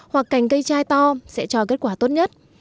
hoặc cành cây chai to sẽ cho kết quả tốt nhất